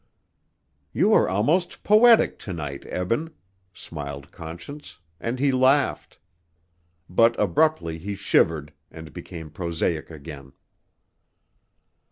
"You are almost poetic to night, Eben," smiled Conscience, and he laughed. But abruptly he shivered, and became prosaic again.